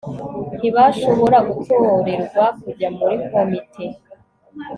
ntibashobora gutorerwa kujya muri komite